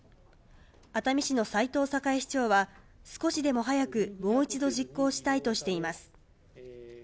熱海市の斉藤栄市長は少しでも早く、もう一度、実行したいとしています。